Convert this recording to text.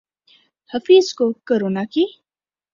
حفیظ کو کرونا کی